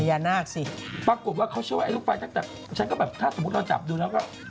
ถ้าสมมติเราจับดูแล้ว